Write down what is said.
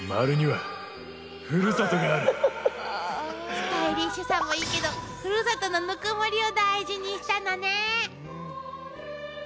スタイリッシュさもいいけどふるさとのぬくもりを大事にしたのね。